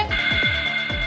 kok lo malah diem aja sih